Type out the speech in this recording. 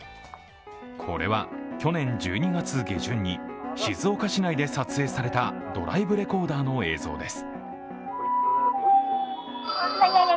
これは去年１２月下旬に静岡市内で撮影されたドライブレコーダーの映像です。